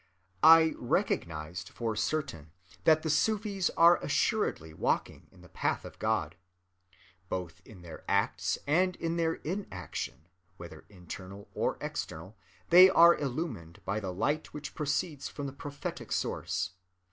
I recognized for certain that the Sufis are assuredly walking in the path of God. Both in their acts and in their inaction, whether internal or external, they are illumined by the light which proceeds from the prophetic source.